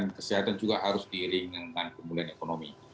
dan kesehatan juga harus diiringi dengan pemulihan ekonomi